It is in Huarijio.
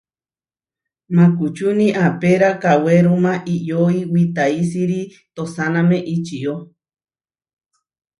Makučúni apéra kawéruma iʼyói witaísiri tohsáname ičió.